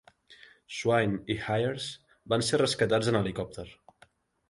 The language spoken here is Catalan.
Swain i Hires van ser rescatats en helicòpter.